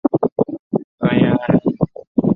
段业汉人。